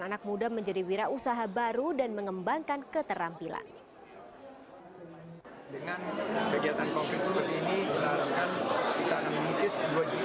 anak muda menjadi wirausaha baru dan mengembangkan keterampilan dengan kegiatan konflik seperti ini